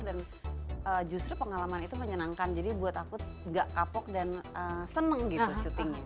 dan justru pengalaman itu menyenangkan jadi buat aku gak kapok dan seneng gitu syutingnya